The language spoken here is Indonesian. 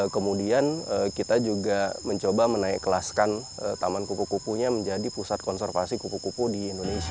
kemudian kita juga mencoba menaik kelaskan taman kupu kupunya menjadi pusat konservasi kupu kupu di indonesia